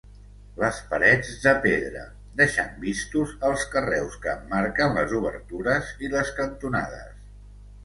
Les parets de pedra, deixant vistos els carreus que emmarquen les obertures i les cantonades.